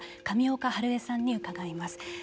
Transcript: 上岡陽江さんに伺います。